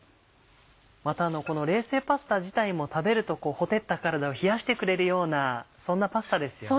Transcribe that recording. またこの冷製パスタ自体も食べると火照った体を冷やしてくれるようなそんなパスタですよね。